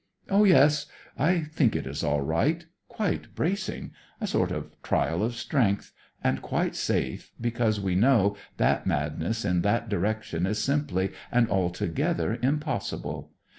"Oh, yes; I think it is all right; quite bracing; a sort of trial of strength; and quite safe, because we know that madness in that direction is simply and altogether impossible.